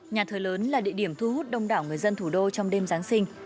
nhà thờ lớn là địa điểm thu hút đông đảo người dân thủ đô trong đêm giáng sinh